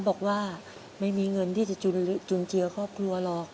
บอกว่าไม่มีเงินที่จะจุนเจือครอบครัวหรอก